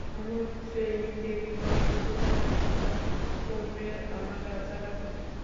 মৈত্রেয়ী দেবীর বড়লোকি চালের কথা পড়লে আমার গা জ্বালা করে।